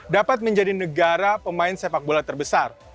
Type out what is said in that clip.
dapat menjadi negara pemain sepak bola terbesar